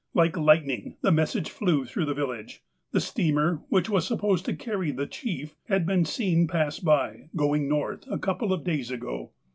Like lightning, the message flew through the village. The steamer, which was supposed to carry " the chief," had been seen pass by, going North, a couple of days ago.